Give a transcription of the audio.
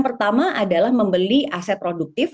pertama adalah membeli aset produktif